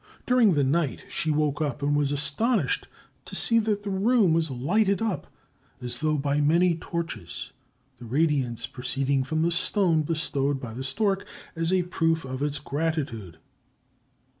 During the night she woke up, and was astonished to see that the room was lighted up as though by many torches, the radiance proceeding from the stone bestowed by the stork as a proof of its gratitude.